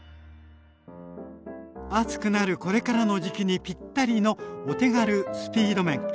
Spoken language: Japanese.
暑くなるこれからの時期にぴったりのお手軽スピード麺。